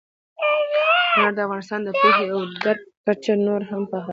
هنر د انسان د پوهې او درک کچه نوره هم پراخوي.